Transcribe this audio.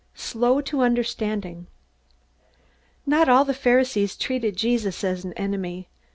Slow to Understand Not all the Pharisees treated Jesus as an enemy.